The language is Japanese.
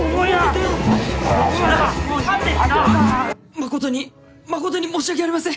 誠に誠に申し訳ありません！